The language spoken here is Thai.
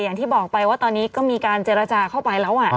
อย่างที่บอกไปว่าตอนนี้ก็มีการเจรจาเข้าไปแล้ว